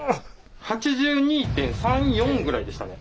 ８２．３８２．４ぐらいでしたね。